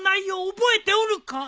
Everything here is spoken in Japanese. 覚えておるか？